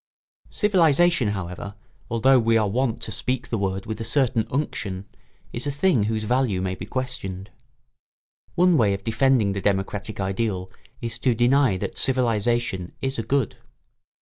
] Civilisation, however, although we are wont to speak the word with a certain unction, is a thing whose value may be questioned. One way of defending the democratic ideal is to deny that civilisation is a good.